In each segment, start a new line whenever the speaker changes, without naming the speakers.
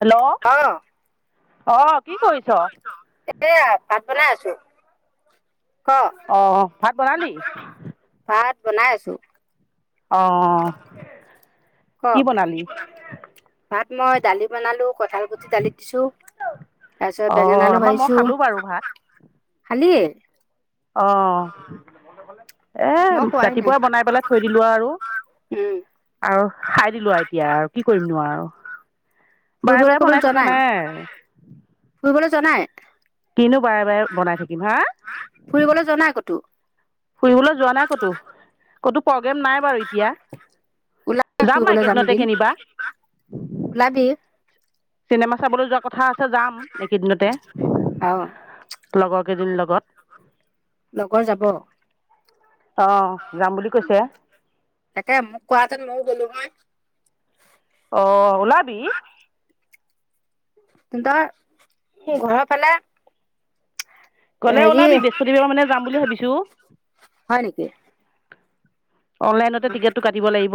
Hello,
অ
অ কি কৰিছ?
এয়া ভাত বনাই আছো। ক
আহ ভাত বনালি?
ভাত বনাই আছো।
অ
ক
কি বনালি?
ভাত মই দালি বনালো কঁঠাল গুটি দালিত দিছো, তাৰ পিছত
অঁ
বেঙেনা আলো
আমাৰ মই
ভাজীছো।
খালোঁ বাৰু
খালীয়ে?
আহ। এ
মই খোৱাই নাই
ৰাতিপুৱা বনাই পেলাই থৈ দিলো আৰু।
উম
আৰু খাই দিলো আ এতিয়া কি কৰিমনো আৰু। বাৰে
ফুৰিবলৈ
বাৰে
কবলৈ
বনাই
যোৱা
থকা নাই ।
ফুৰিবলৈ যোৱা নাই
কিনো বাৰে বাৰে বনাই থাকিম। হা?
ফুৰিবলৈ যোৱা নাই ক'তো
ফুৰিবলৈ যোৱা নাই ক'তো, ক'তো প্ৰগ্ৰেম নাই বাৰু এতিয়া।
ওলাই
যাম আ এই
ফুৰিবলৈ যাম
ৰ্কেদিনতে
এদিন
কেনিবা।
ওলাবি
চিনেমা চাবলৈ যোৱা কথা আছে যাম এইকেইদিনতে।
অ
লগৰ কেইজনীৰ লগত।
লগৰ যাব?
অ যাম বুলি কৈছে।
তাকে মোক কোৱাহেঁতেন ময়ো গ'লো হয়।
অ' ওলাবি।
কিন্ত ত ঘৰ ফালে
গলে
হেৰি
ওলাবি বৃহস্পতিবাৰ মানে যাম বুলি ভাবিছো।
হয় নেকি
অনলাইনতে টিকেটটো কাটিব লাগিব।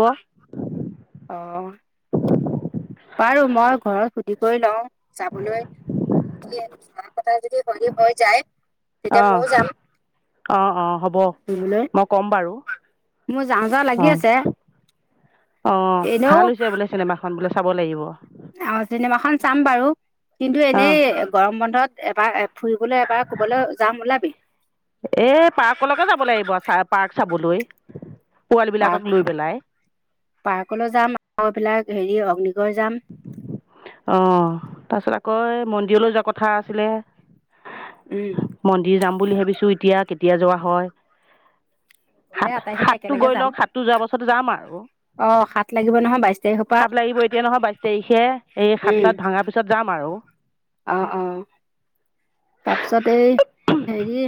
অ
[unintelligible]
বাৰু মই ঘৰত সুধ কৰি লওঁ, যাবলৈ া [inaudible] [unintelligible] য হৰি হৈ যায়, তেতিয়া
অঁ
ময়ও যাম
অঁ অঁ হ'ব
[inaudible]
মই ক'ম বাৰু
মোৰ যাওঁ যাওঁ লাগি
অঁ
আছে
অঁ ভাল হৈছে বোলে, চিনেমাখন বোলে চাব লাগিব
অ [unintelligible] চিনেমাখন চাম বাৰু কিন্তু
অঁ
এনেই গৰম বন্ধত এবাৰ ফুৰিবলৈ এবাৰ কুবলৈ যাম ওলাবি?
এই পাৰ্কলৈকে যাব লাগিব চা পাৰ্ক চাবলৈ পোৱালীবিলাকক
পাৰ্ক
লৈ পেলাই
পাৰ্কলৈ যাম আৰু এইবলাক হেৰি আ অগ্নিক
অঁ তাৰপিছত কয় মন্দিৰলৈ যোৱা কথা আছিলে
উম
মন্দিৰ যাম বুলি ভাবিছো এতিয়া কেত দিয়া যোৱা হয়।
গলে
হাত
আটাইখিনি
হাতটো
একেলগে
গৈ
যাম
লওক, হাতটো যোৱাৰ পাছত যাম আৰু,
অ সাত লাগিব নহয় বাইশ তাৰিখৰ পৰা
হাত লাগিব এতিয়া নহয় বাই সেই সাত চাত ভাঙা পিছত যাম আৰু অঁ
অঁ অঁ, তাৰপিছত এই হেৰি,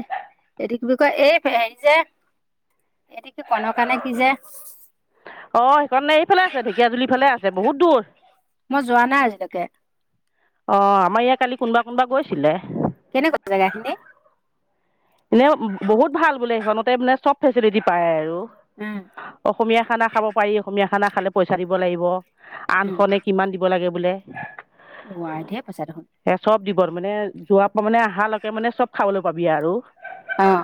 এইটো কি বুলি কয়, এই হেৰি যে এইটো কি কণ কাৰণে কি যে
অ সেইখনে এইফালে আছে ঢেকীয়াাজুলি ফালে আছে বহুত দূৰ
মই যোৱা নাই আজিলৈকে
অঁ আমাৰ ইয়াত কালি কোনোবা কোনবা গৈছিলে!
কেনেকুৱা জেগা খিনি
এনে বহুত ভাল বোলে সেইখনতে মানে চব ফেচিলিটি পায় আৰু!
উম
অসমীয়া, খানা খাব পাৰি অসমীয়া খানা খালে পইচা দিব লাগিব আনখনে কিমান দিব লাগিব। বোলে
ৱাই দিয়ে পইচা দেখোন ।
সেই চব দিব মানে যোৱা মানে অহ লকোনে চব খাবলৈাগিব পাবি আৰু।
অ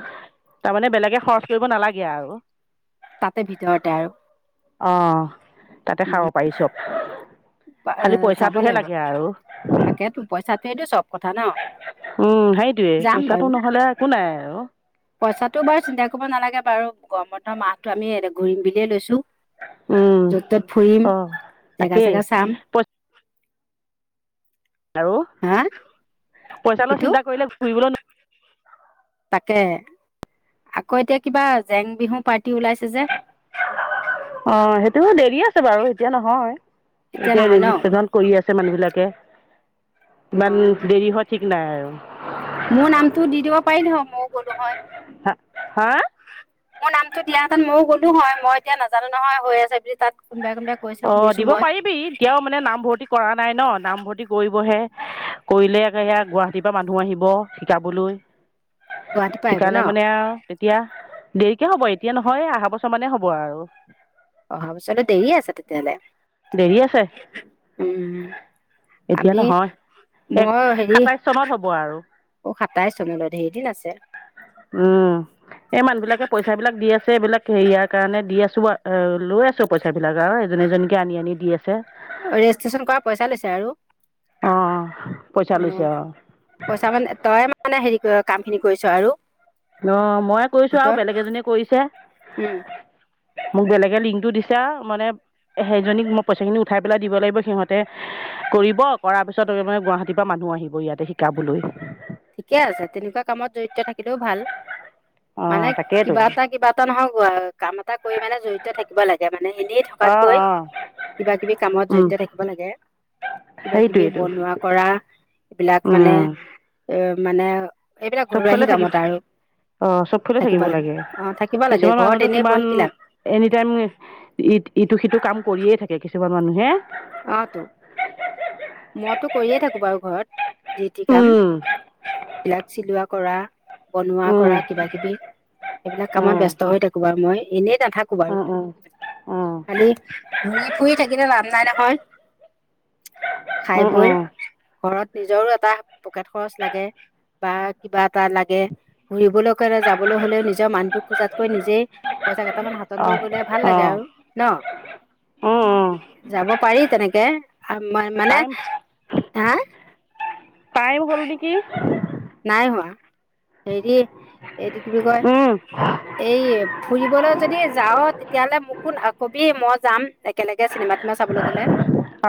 তাৰমানে বেলেগে খৰচ কৰিব নালাগে আৰু।
তাতে ভিতৰতে আৰু?
অঁ! তাতে
উম
খাব পাৰি চব, খালি
যাব
পইচাটোহে লাগে আৰু।
সেইটো চব কথা ন
উম সেইটোৱে
যাম
পইচাটো
বাৰু
নহ'লে একো নাই আৰু
পইচাটো বাৰু চিন্তা কৰিব নালাগে বাৰু গৰমৰ মাহটো আমি ঘূৰিম বুলিয়ে লৈছো।
উম
য'ত ত'ত ফুৰিম জেগা চেগা চাম
আৰু
হা
পইচা লও
সিটো
চিন্তা কৰিলে ঘুৰিবলৈ
তাকে আকৌ এতিয়া কিবা জেং, বিহু পাৰ্টি ওলাইছে যে
অ সেইটো দেৰি আছে বাৰু এতিয়া নহয়। এতিয়া
নহয় ন
ৰেজিষ্ট্ৰেচন, কৰি আছে মানুহ বিলাক কে
অ
ইমান দেৰি হোৱা ঠিক নাই আৰু উ
মোৰ নামতো দি দিব পাৰিলে মইও গলো হয়।
হ হা
মোৰ নামটো দিয়া হাতত ময়ো গলো হয় মই এতিয়া নাজানো নহয় হৈ আছে বুলি তাত কোনোবাই। কোনোবাই কৈছে
অ
শুনিছো
দিব
মই
পাৰিবি এতিয়াও মানে নামভৰ্তি কৰা নাই ন নামভৰ্তি কৰিবহে কৰিলে [inaudible] ৰাতিপুৱা মানুহ আহিব শিকাবলৈ
গুৱাহাটীৰ পৰা আহিব ন
শিকালে মানে আৰু তেতিয়া দেৰিকে হ'ব এতিয়া নহয় আহা বছৰ মানে হ'ব পোৱা আৰু
অহা বছৰ দেৰি আছে তেতিয়াহ'লে
দেৰি আছে
উম
এতিয়া
আমি
নহয় এক
মই হেৰি
সাতাইছ চনত হ'ব আৰু
অ সাতাইশ চনলৈ ধেইদিন আছে
উম এই মানুহ বিলাকে পইচা বিলাক দি আছে এইবিলাক হেৰিয়াৰ কাৰণে দি আছো ব অ লৈ আছো পইচা বিলাক আৰু এজনীজনী
ৰেজিষ্ট্ৰেচন কৰা পইচা লৈছে আৰু
অ পইচা
অ
লৈছে
পইচা মানে তই মানে হেৰি কাম খিনি কৰিছ আৰু
অ মই কৰিছো আৰু
গোটৰ
বেলেগ এজনীয়ে
উম
কৰিছে মোক বেলেগে লিংকটো দিছা মানে সেইজনীক মই পইচা খিনি উঠাই পেলাই দিব লাগিব সিহঁতে কৰিব কৰাৰ পিছত মানে গুৱাহাটীৰ পৰা মানুহ আহিব ইয়াতে শিকাবলৈ
ঠিকে আছে, তেনেকোৱা কামত জৰিত থাকিলেও ভাল।
অ
মানে
তাকেইতো
কিবা এটা, এ কিবা এটা নহয় কাম এটা কৰি মানে জড়িত থাকিব লাগে, মানে এনেই
অ
থকাতকৈ
অ
কিবা- কিবি কামত
উম
জড়িত থাকিব লাগে কিবা- কিবি
সেইটোৱেইটো
বনোৱা কৰা এইবিলাক মানে,
উম
এ', মানে, এইবিলাক ঘৰুৱাহি
চবফালে থাকিব,
কামত আৰু
অ', চবফালে থাকিব লাগে
অ থাকিব লাগে
কিছুমান
ঘৰত
মানুহতো
এনেই
কিমান
বহি কি লাভ
এনি -টাইম ইটো- -সিটো কাম কৰিয়ে থাকে।, কিছুমান মানুহে,
অহ ', তো মইতো কৰিয়ে থাকো বাৰু ঘৰত। যিটি কাম
উম
বিলাক, চিলোৱা কৰা, বনোৱা
উম
কৰা, কিবা-কিবি এইবিলাক কামত
উম
ব্যস্ত হৈ থাকো বাৰু মই এনে, নাথাকো বাৰু
উম উম
খালি ঘূৰি ফুৰি থাকিলে লাভ নাই ন', হয়, খাই
উম উম
বৈ।
উম
ঘৰত নিজৰো এটা পকেট খৰচ লাগে বা কিবা, লাগে ঘুৰিবলৈ গলে যাবলৈ হলেও নিজৰ মানুটোক খোজাতকৈ নিজেই পইচা কেইটামান হাতত লৈ
অঁ
গলে ভাল লাগে,
অঁ
আৰু ন',
উম উম
যাব, পাৰি তেনেকে আ, '- মই মানে,
টাইম
হা',
টাইম হ'ল নেকি?
নাই হোৱা হেৰি, - এইটো কি বুলি কয় এই, '- ফুৰিবলৈ যদি যাও তেতিয়াহ'লে মোকো কবি মই যাম একেলগে চিনেমা- তিনেমা চাবলৈ গ'লে।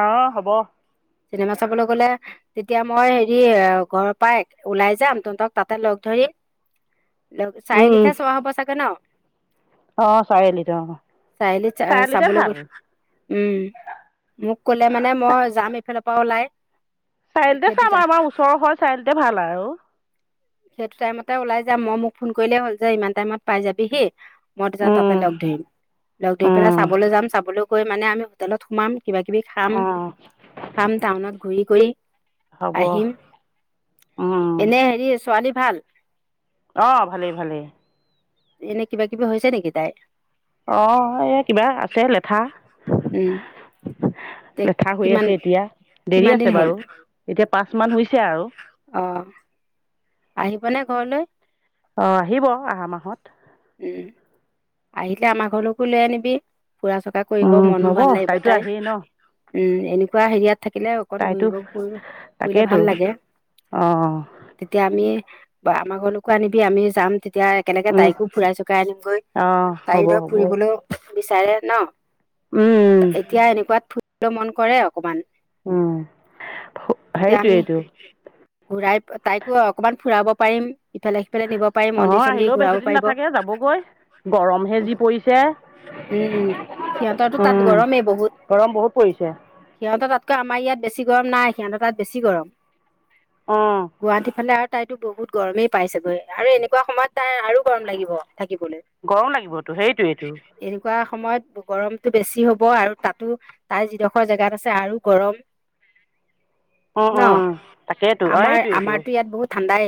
অঁ হ'ব
চিনেমা চাবলৈ গলে, - তেতিয়া মই হেৰি ঘৰৰ পাই, - ওলাই যাম, তহন্তক তাতে লগ ধৰিম। লেওঁ চাৰিয়ালিত হে চুৱা হব চাগে ন-
অ', চাৰিআলিটো অ',
চাৰিআলিত চা-
চাৰিআলিতে
চাবলৈ গ'ল
ভাল।
উম', মোক ক'লে মানে মই যাম এইফালৰ পৰা ওলাই।
চাৰিআলিতে
সেইটো
চাম
টাই
আৰু আমাৰ ওচৰ হল চাৰিআলিতে ভাল আৰু। অহ,
সেইটো টাইমতে ওলাই যাম মই মোক ফোন কৰিলেই হ'ল - যে, ইমান টাইমত পাই যাবিহি, মই তাৰপিছত
উম
তাতে লগ ধৰিম, লগ ধৰি পেলাই
উম
চাবলৈ যাম ।চাবলৈ গৈ, গৈ মানে আমি হোটেলত সোমাম। কিবা-কিবি খাম।
উম
খাম টাউনত ঘূৰি-কৰি
হ'ব
আহিম এনে হেৰি, ছোৱালী ভাল।
অ', ভালেই-ভালেই।
এনে কিবা- কিবি হৈছে নেকি তাইৰ?
অ এই কিবা আছে লেঠা
উম তে
লেঠা হৈ
কিমান
আছে এতিয়া দেৰি
কিমান
আছে
দিন হ'ল
বাৰু এতিয়া পাঁচ মান হৈছে আৰু
আহিব নে ঘৰলৈ
অ আহিব আহা মাহত
উম আহিলে আমাৰ ঘৰকো লৈ আনিবি ফুৰা চকা কৰিব
উম
মনো
হ'ব
ভাল লাগিব
তাইতো
তাই
আহেই ন
উম এনেকুৱা হেৰিয়াত থাকিলে অকণ
তাইতো
ঘূৰিব ফু ফুৰিলে ভাল
তাকেইতো
লাগে
অঁ
তেতিয়া আমি বা আমাৰ ঘৰলৈকো আনিবি আমি যাম এতিয়া কেনেকে তাইকো ফুৰাই চকাই আনিমগৈ
অঁ
চাৰি
হ'ব
ধৰক
হ'ব
ফুৰিবলৈও বিচাৰে ন
উম
এতিয়া এনেকুৱাত ল মন কৰে অকমান
উম
তেতিয়া আমি
সেইটোইটো
ঘূৰাই তাইকো অকমান ফুৰাব পাৰিম ইফালে পেলে নিব পাৰি
অঁ
মন্দিৰ চন্দিৰ
আহিলেও
ঘূৰাব
বেছিদিন
পাৰিব
নাথাকে যাবগৈ গৰমহে যি পৰিছে
উম সিহঁতৰতো তাত
উম
গৰমেই বহুত
গৰম বহুত পৰিছে ।
সিহঁতৰ তাতকৈ আমাৰ ইয়াত বেছি গৰম নাই সিহঁতৰ তাত বেছি গৰম
অঁ
গুৱাহাটী ফালে আৰু তাইতো বহুত গৰমেই পাইছেগৈ আৰু এনেকুৱা সময়ত তাই আৰু গৰম লাগিব থাকিবলৈ
গৰম লাগিবতটো সেইটোৱেইটো ।
এনেকুৱা সময়ত গৰমতটো বেছি হ'ব আৰু তাতো তাৰ যিডোখৰ জেগাত আছে আৰু গৰম
উ
ন
উ তাকেইো আৰু
আমাৰ
এইটোইটো
আমাৰতো ইয়াত বহুত ঠাণ্ডাই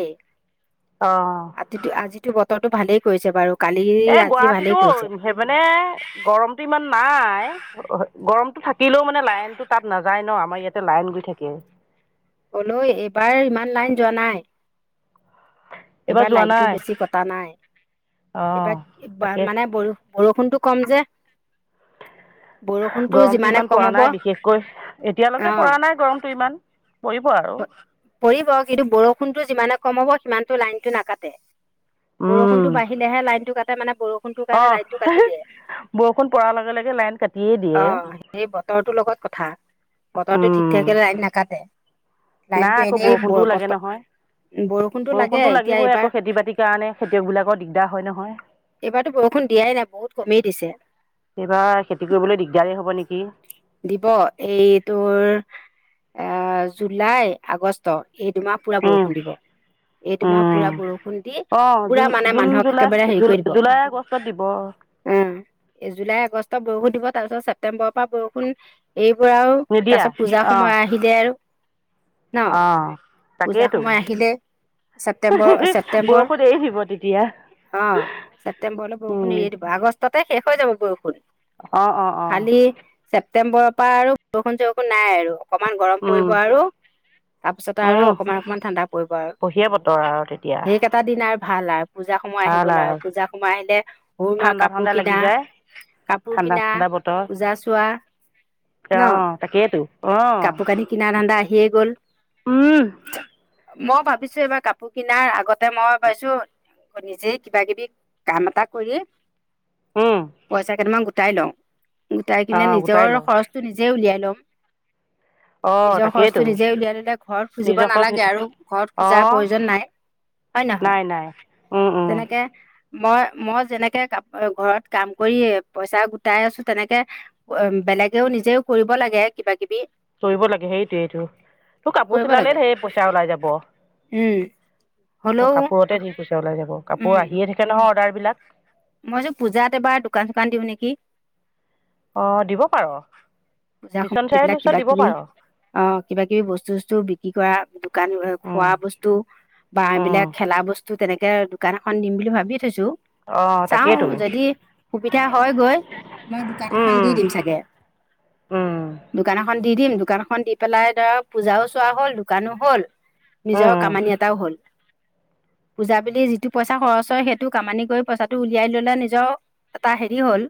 অহ
আজিতো আজিতো বতৰটো ভালেই । কৰিছে বাৰু কালি
এ
আজি ভালেই
গুৱাহাটীতো
কৰিছে
সেই মানে গৰমতটো ইমান নাই গৰম কাটিলেও মানে লাইনটো তাত নাযায় ন । আমাৰ ইয়াতে লাইন গৈ থাকে
হলো এইবাৰ ইমান লাইন যোৱা নাই । এইবাৰ
যোৱা
লাইনটো
নাই
বেছি কটা নাই
অঁ
এইবাক
তাকে
মানে বাৰু বৰষুণটো কম যে বৰষুণটো
গৰমটো
যিমানে
ইমান
কম
পৰা
হ'ব
নাই
অ
বিশেষকৈ এতিয়ালৈকে পৰা নাই গৰমটো ইমান পৰিব আৰু
পৰিব কিন্তু বৰষুণতো যিমানে কমাব সিমানটো লাইনটো নাকাটে বৰষুণটো বাঢ়িলেহে লাইনটো কাটে মানে বৰষুণ ।
আহ হি বৰষুণ পৰাৰ লগে লগে লাইন কাটিয়ে দিয়ে
বতৰ তোৰ লগত কথা বতৰটো ঠিক
উম
থাকিলে লাইন নেকাটে
নাই আকৌ বৰষুণটোও লাগে নহয়
বৰষুণটো লাগে
বৰষুণতো
এতিয়া
লাগিবই
এইবাৰ
আকৌ খেতি বাতিৰ কাৰণে খেতিয়ক বিলাকৰ দিগদাৰ হয় ন হয়
এইবাৰতো বৰষুণ দিয়াই নাই বহুত কমেই দিছে
এইবাৰ খেতি কৰিবলৈ দিগদাৰেই হ'ব নেকি
দিব এইটোৰ এ জুলাই আগষ্ট এই দুমাহ পুৰা
উম
বৰষুণ দিব এই দুমাহ পুৰা
উম
বৰষুণ দি
অ
পুৰা
জুন
মানে
জুন
মানুহক
জুলাই
একেবাৰে হেৰি
জু
কৰি দিব
জুলাই আগষ্টত দিব
আগষ্টত বৰষুণ দিব তাৰপিছত ছেপ্তেম্বৰৰ পৰা বৰষুণ । এইবোৰও তাৰ
নিদিয়া
পিছত পূজাৰ
অ
সময় আহি দে আৰু ন
অ
পূজাৰ
তাকেইতো
সময় আহিলে
উহ
ছেপ্তেম্বৰ
উহ
ছেপ্তেম্বৰ
বৰষুণ এৰি আহিব তেতিয়া
ছেপ্টেম্বৰলৈ বৰষুণ এৰিয়ে দিব আগষ্ট তাতে শেষ হৈ যাব বৰষুণ
আহ অ অ
ছেপ্টেম্বৰৰ পৰা আৰু বৰষুণ চৰষুণ নাই আৰু অকমান গৰম পৰিব
উম
আৰু তাৰপিছতে আৰু
উম
অকমান অকমান ঠাণ্ডা পৰিব আৰু
বঢ়িয়া বতৰ আৰু তেতিয়া
সেইকেইটা দিন আ ভাল আৰ পূজা সময় আহি গ'ল আৰু পূজা সোমাই দে অ মা
ঠাণ্ডা
কাপোৰ
ঠাণ্ডা লাগি
কিনা
যায়
কাপোৰ
ঠাণ্ডা
কিনা
ঠাণ্ডা বতৰ
পূজা চোৱা
অ
ন
তাকেইতো অ
কাপোৰ কানি কিনা ধান্দা আহি আহিয়েই গ'ল
উম
মই ভাবিছো এইবাৰ কাপোৰ কিনাৰ আগতে মই ভাবিছো নিজেই কিবা কিবি কাম এটা কৰি
উম
পইচা কেইটামান গোট গোটাই লঁও গোটাই
অ
কিনে
গোটাই ল
নিজৰ খৰচটো নিজে নিজ উলিয়ালম
অ
নিজৰ
তাকেইতো
খৰচটো নিজে উলিয়াই দিলে ঘৰত খুজিব
নিজৰ খৰচ
নালাগে আৰু ঘৰত
অ
খোজাৰ প্ৰয়োজন নাই হয় নহয়
নাই নাই উম উম
তেনেকে মই মই যেনেকে কা ঘৰত কাম কৰি পইচা গোটাই আছো তেনেকে বেলেগেও নিজেও কৰিব লাগে কিবা কিবি
কৰিব লাগে সেইটোয়েতোৰ কাপোৰ
কৰিব লাগে
চিলালেই ঢেৰি পইচা ওলাই যাব
উম
তোৰ
হলেও
কাপোৰতে ধেৰ পইছা ওলাই যাব কাপোৰ
উম
আহিয়ে থাকে ন অৰ্ডাৰ বিলাক
মই যে পূজাত এবাৰ দোকান চোকান দিওঁ নেকি
অঁ দিব পাৰ
পূজাৰ
মিছন
সময়ত এইবিলাক
চাৰিআলিৰ ওচৰত
কিবা
দিব
কিবি
পাৰ
অহ কিবা কিবি বস্তু বস্তু বিক্ৰী কৰা দোকান খোৱা বস্তু বা এইবিলাক খেলা বস্তু তেনেকে দোকান এখন দিম বুলি ভাবিয়ে থৈছো
অঁ
চাওঁ
তাকেইতো
যদি সুবিধা হয় গৈ মই দোকান
উম,
এখন দি দিম চাগে
উম,
দোকান এখন দি দিম দোকানখন দি পেলাই ধৰক পূজাও চোৱা হ'ল দোকানো হ'ল নিজৰ
উম।
কামানি এটাও হল পূজা বুলি যিটো পইচা খৰচ হয় সেইটো কামানি কৰি পইচাটো টো উলিয়াই ললে নিজৰ, এটা হেৰি হ'ল।